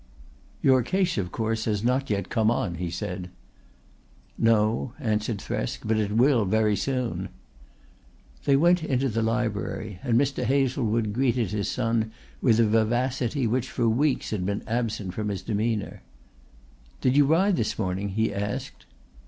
"Your case, of course, has not yet come on," he said. "No," answered Thresk, "but it will very soon." They went into the library, and Mr. Hazlewood greeted his son with a vivacity which for weeks had been absent from his demeanour. "Did you ride this morning?" he asked.